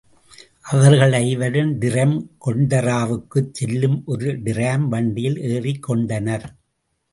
அவர்கள் ஐவரும் டிரம் கொண்டராவுக்குச் செல்லும் ஒரு டிராம் வண்டியில் ஏறிக்கொண்டனர்.